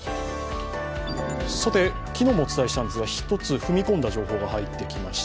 昨日もお伝えしたんですが、一つ、踏み込んだ情報が入ってきました。